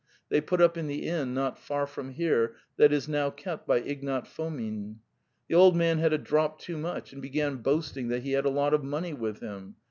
They put up in the inn not far from here that is now kept by Ignat Fomin. The old man had a drop too much, and began boasting that he had a lot of money with him.